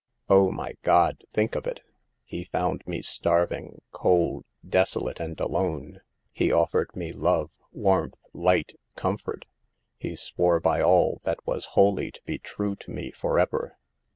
O, my God ! think of it. He found me starving, cold, desolate and alone. He offered me love, warmth, light, comfort. He swore by all that was holy to be true to me for ever.